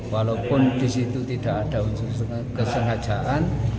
walaupun di situ tidak ada unsur kesengajaan